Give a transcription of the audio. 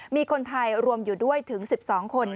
มีคนไทยรวมอยู่ด้วยถึง๑๒คน